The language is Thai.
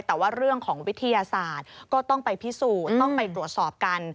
แต่ว่าเรื่องของวิทยาศาสตร์ก็ต้องไปพิสูจน์ต้องไปตรวจสอบกัน